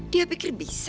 dia pikir bisa